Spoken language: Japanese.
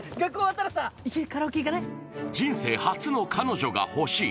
人生初の彼女が欲しい。